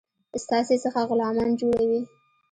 ستاسي څخه غلامان جوړوي.